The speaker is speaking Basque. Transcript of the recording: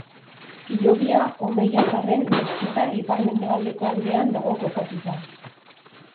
Hilobia Omeiatarren meskita ipar-mendebaldeko aldean dago kokatuta.